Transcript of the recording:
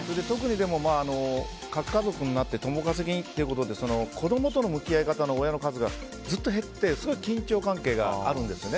特に、核家族になって共稼ぎということで子どもとの向き合い方の親の数がずっと減ってすごく緊張関係があるんです。